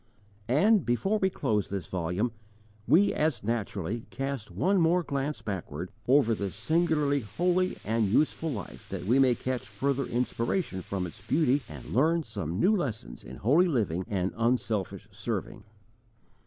And, before we close this volume, we as naturally cast one more glance backward over this singularly holy and useful life, that we may catch further inspiration from its beauty and learn some new lessons in holy living and unselfish serving.